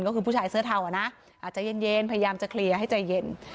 ก็คือผู้ชายสื้อเท้านะอยากจะเคลียร์ให้ใจเย็น